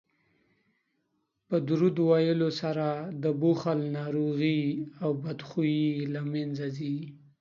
په درود ویلو سره د بخل ناروغي او بدخويي له منځه ځي